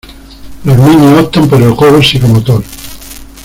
Los niños optan por el juego psicomotor.